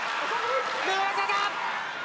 寝技だ！